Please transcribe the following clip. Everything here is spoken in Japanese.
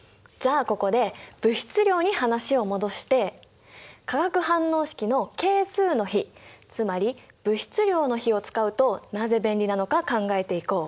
じゃあここで物質量に話を戻して化学反応式の係数の比つまり物質量の比を使うとなぜ便利なのか考えていこう。